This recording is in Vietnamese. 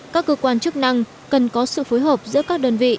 các cơ quan chức năng cần có sự phối hợp giữa các đơn vị